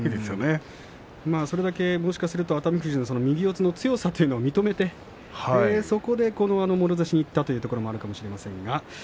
それだけ、もしかすると熱海富士は右四つの強さというものを認めてそこで、もろ差しにいったということもあるかもしれませんね。